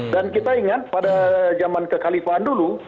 dan kita ingat pada zaman kekhalifahan dulu